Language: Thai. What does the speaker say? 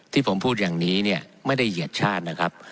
ที่ผมพูดอย่างนี้เนี่ยไม่ได้เหยียดชาตินะครับ